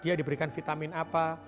dia diberikan vitamin apa